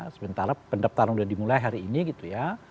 sementara pendaftaran sudah dimulai hari ini gitu ya